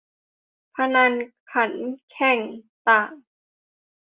พนันขันแข่งต่าง